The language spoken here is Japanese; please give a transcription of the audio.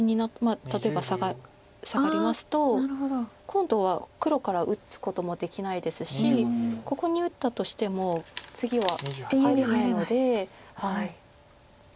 例えばサガりますと今度は黒から打つこともできないですしここに打ったとしても次は入れないので。